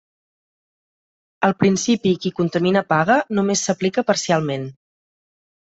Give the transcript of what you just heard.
El principi 'qui contamina paga' només s'aplica parcialment.